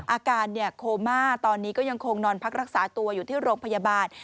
อาการโคม่าตอนนี้ก็ยังคงนอนพักรักษาตัวอยู่ที่โรงพยาบาล